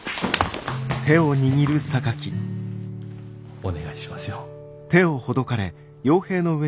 お願いしますよ。